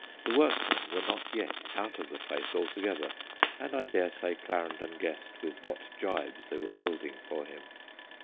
The workmen were not yet out of the place altogether, and I dare say Clarendon guessed with what gibes they were building for him.